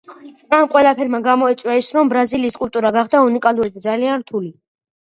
ამ ყველაფერმა გამოიწვია ის, რომ ბრაზილიის კულტურა გახდა უნიკალური და ძალიან რთული.